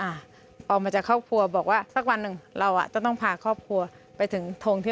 เสื้อของที่ร้านทุกวันมันก็เลยซึมซับโดยที่